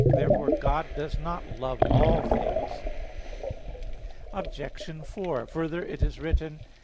Therefore God does not love all things. Obj. 4: Further, it is written (Ps.